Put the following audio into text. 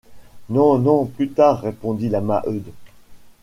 Non, non, plus tard! répondit la Maheude.